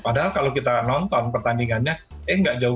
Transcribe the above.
padahal kalau kita nonton pertandingannya eh gak jauh jauh